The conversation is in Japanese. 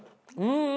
うん！